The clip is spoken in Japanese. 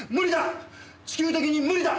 無理だ！